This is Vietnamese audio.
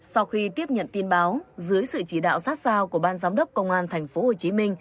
sau khi tiếp nhận tin báo dưới sự chỉ đạo sát sao của ban giám đốc công an tp hcm